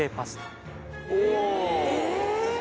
え！